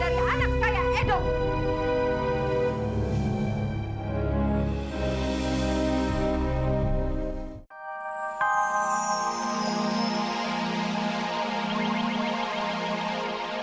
dia bilang kalau anak yang sedang digandung dia adalah anak saya fadil